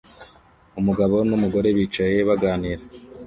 Umugabo numugore bicaye baganira